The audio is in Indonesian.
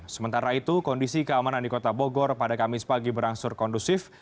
sementara itu kondisi keamanan di kota bogor pada kamis pagi berangsur kondusif